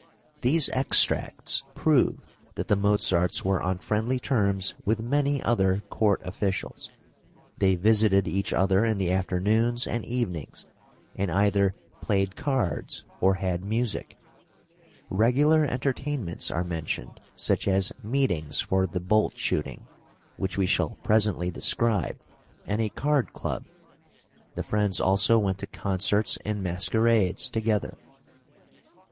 These extracts prove that the Mozarts were on friendly terms with many other court officials. They visited each other in the afternoons and evenings, and either played cards or had music. Regular entertainments are mentioned, such as meetings for the bolt shooting which we shall presently describe, and a card club; the friends also went to concerts and masquerades together.